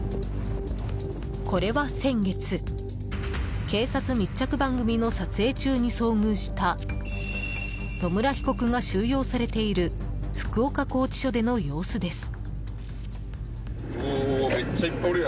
これは、先月警察密着番組の撮影中に遭遇した野村被告が収容されている福岡拘置所での様子です。